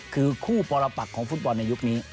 คือคู่ปรปักของฟุตบอลในยุคนี้